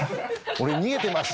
「俺、逃げてます！」。